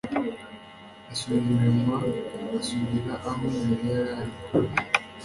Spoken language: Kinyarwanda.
asubira inyuma asubira aho nyina yari ari